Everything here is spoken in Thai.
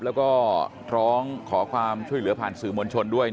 แล้วก็ร้องขอความช่วยเหลือผ่านสื่อมวลชนด้วย